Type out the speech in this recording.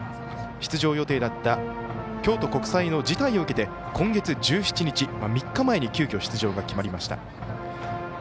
出場予定だった京都国際の辞退を受けて３日前に急きょ出場が決まりました。